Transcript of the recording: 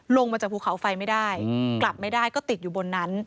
ลงมาจากภูเขาไฟไม่ได้กลับไม่ได้ก็ติดอยู่บนนั้น